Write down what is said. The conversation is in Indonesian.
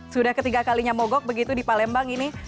sudah ketiga kalinya mogok begitu di palembang ini